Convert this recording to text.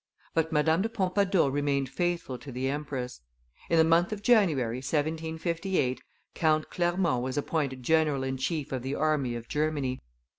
But Madame de Pompadour remained faithful to the empress. In the month of January, 1758, Count Clermont was appointed general in chief of the army of Germany.